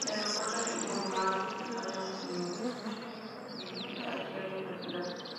El aeropuerto de Múrmansk está en las inmediaciones de la ciudad.